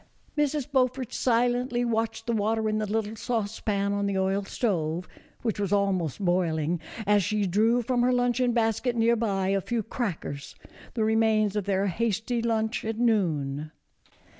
Mrs. Beaufort silently watched the water in the 230 A FURNISHED COTTAGE BY THE SEA. little saucepan on the oil stove, which was almost boiling, as she drew from her luncheon basket, near by, a few crackers, the remains of their hasty lunch at noon.